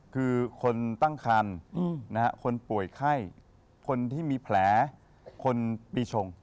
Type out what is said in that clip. คือคนตั้งคันคนป่วยไข้คนที่มีแผลคนปีชง